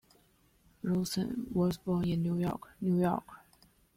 Rosen was born in New York, New York.